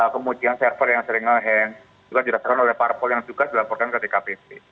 kemudian server yang sering nge hance juga dirasakan oleh parpol yang juga dilaporkan ke tkpc